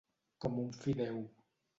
Com un fideu.